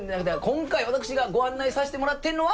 今回私がご案内させてもらってるのは。